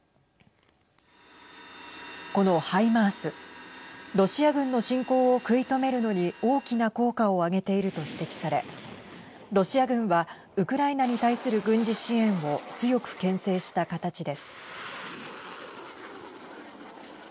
このハイマースロシア軍の侵攻を食い止めるのに大きな効果を上げていると指摘されロシア軍はウクライナに対する軍事支援を強く、けん制した形です。